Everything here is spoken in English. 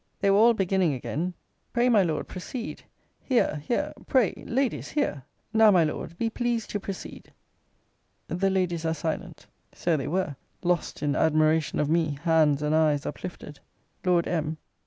They were all beginning again Pray, my Lord, proceed! Hear, hear pray, Ladies, hear! Now, my Lord, be pleased to proceed. The Ladies are silent. So they were; lost in admiration of me, hands and eyes uplifted. Lord M.